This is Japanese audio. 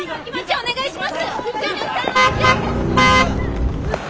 お願いします！